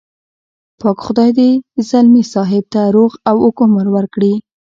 پاک خدای دې ځلمي صاحب ته روغ او اوږد عمر ورکړي.